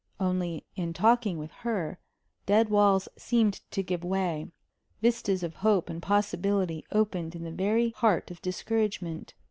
Only, in talking with her, dead walls seemed to give way; vistas of hope and possibility opened in the very heart of discouragement.